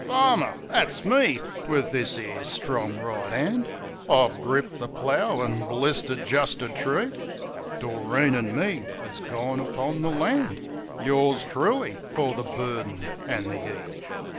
Farmer I That's me ! Wiv this 'ere strong right 'and I've gripped the plough; and blistered jist a treat. Doreen an' me 'as gone upon the land. Yours truly fer the burden an' the 'eat!